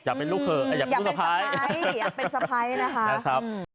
อยากเป็นลูกเผลออยากเป็นสไพรส์อยากเป็นสไพรส์นะคะ